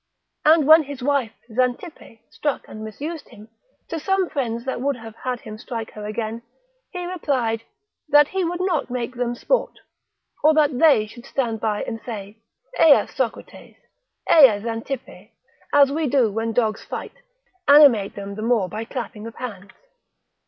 And when his wife Xantippe struck and misused him, to some friends that would have had him strike her again, he replied, that he would not make them sport, or that they should stand by and say, Eia Socrates, eia Xantippe, as we do when dogs fight, animate them the more by clapping of hands.